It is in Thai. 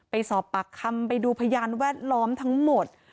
ไปสอบปากคำไปดูพยานแวดล้อมทั้งหมด